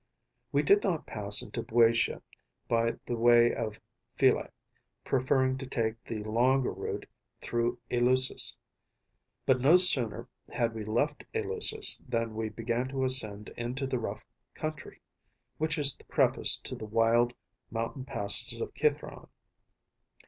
We did not pass into BŇďotia by the way of Phyle, preferring to take the longer route through Eleusis. But no sooner had we left Eleusis than we began to ascend into the rough country, which is the preface to the wild mountain passes of Cithæron.